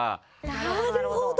なるほど。